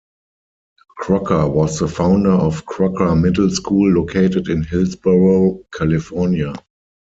Crocker was the founder of Crocker Middle School located in Hillsborough, California.